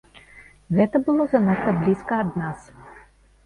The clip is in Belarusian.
Гэта было занадта блізка ад нас.